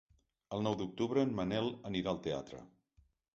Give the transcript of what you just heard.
El nou d'octubre en Manel anirà al teatre.